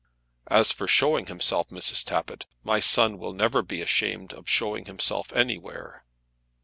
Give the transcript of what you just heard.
"As for showing himself, Mrs. Tappitt, my son will never be ashamed of showing himself anywhere."